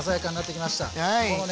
このね